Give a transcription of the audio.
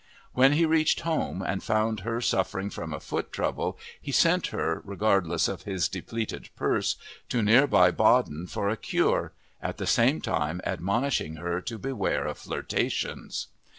When he reached home and found her suffering from a foot trouble he sent her, regardless of his depleted purse, to near by Baden for a cure—at the same time admonishing her to beware of flirtations!